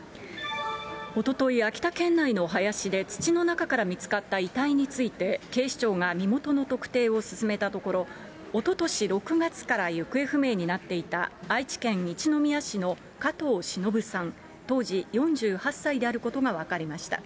おととい、秋田県内の林で土の中から見つかった遺体について、警視庁が身元の特定を進めたところ、おととし６月から行方不明になっていた、愛知県一宮市の加藤しのぶさん当時４８歳であることが分かりました。